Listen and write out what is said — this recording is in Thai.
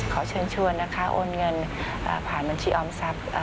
ขอเชิญชวนนะคะโอนเงินผ่านบัญชีออมทรัพย์